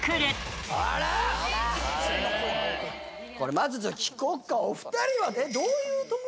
まず聞こうか。